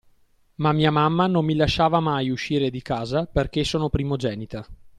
Ma mia mamma non mi lasciava mai uscire di casa, perché sono primogenita.